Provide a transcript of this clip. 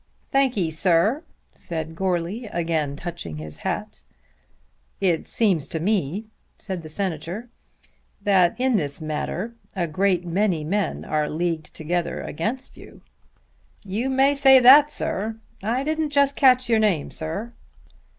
"Thank 'ee, sir," said Goarly again touching his hat. "It seems to me," said the Senator, "that in this matter a great many men are leagued together against you." "You may say that, sir. I didn't just catch your name, sir."